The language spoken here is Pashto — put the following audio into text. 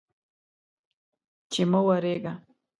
چې مه اوریږه